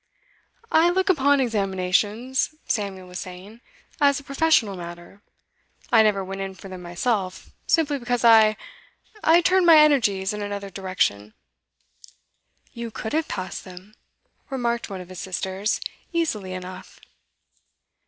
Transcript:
'I look upon examinations,' Samuel was saying, 'as a professional matter. I never went in for them myself, simply because I I turned my energies in another direction.' 'You could have passed them,' remarked one of his sisters, 'easily enough.